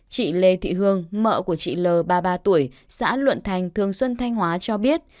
chị lê thị hương vợ của chị l ba mươi ba tuổi xã luận thành thường xuân thanh hóa cho biết